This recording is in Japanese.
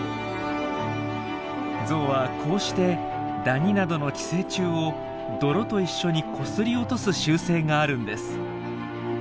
ゾウはこうしてダニなどの寄生虫を泥と一緒にこすり落とす習性があるんです。